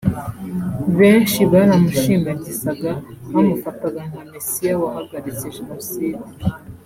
benshi baramushimagizaga bamufataga nka messiah wahagaritse jenoside